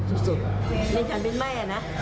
สุดสุดนี่ฉันเป็นแม่นะ